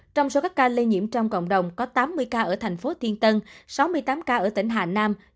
trong số các ca lây nhiễm trong cộng đồng có tám mươi ca ở thành phố thiên tân sáu mươi tám ca ở tỉnh hà nam